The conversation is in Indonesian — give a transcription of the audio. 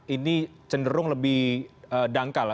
ini cenderung lebih dangkal